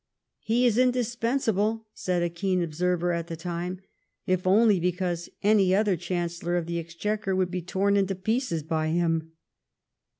"He is indispensable," said a keen observer at the time, "if only because any other Chancellor of the Exchequer would be torn into pieces by him."